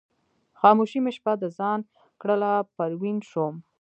خاموشي مې شپه د ځان کړله پروین شوم